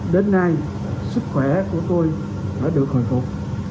đến nay sức khỏe của tôi đã được hồi phục